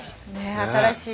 新しい。